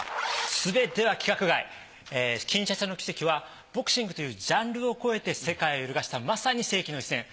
すべては規格外キンシャサの奇跡はボクシングというジャンルを超えて世界を揺るがしたまさに世紀の一戦。